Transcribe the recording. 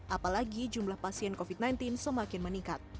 apalagi jumlah pasien covid sembilan belas semakin meningkat